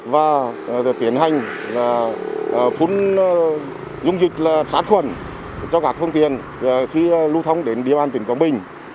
và tiến hành phun dung dịch sát khuẩn cho các phương tiện khi lưu thông đến địa bàn tỉnh quảng bình